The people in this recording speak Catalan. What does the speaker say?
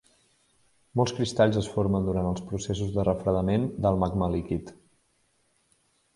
Molts cristalls es formen durant els processos de refredament del magma líquid.